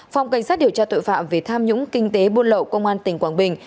phòng cảnh sát điều tra tội phạm về tham nhũng kinh tế buôn lậu công an tỉnh quảng bình